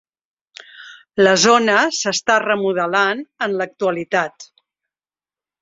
La zona s'està remodelant en l'actualitat.